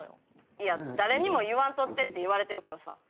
いや「誰にも言わんとって」って言われてるからさ。